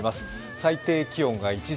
最低気温が１度。